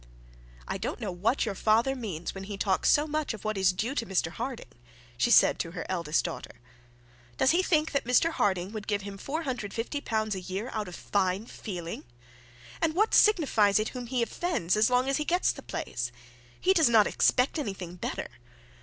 'I don't know what your father means when he talks so much of what is due to Mr Harding,' she said to her eldest daughter. 'Does he think that Mr Harding would give him L 450 out of fine feeling? And what signifies it when he offends, as long as he gets the place? He does not expect anything better.